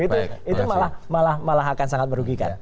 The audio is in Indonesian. itu malah malah akan sangat merugikan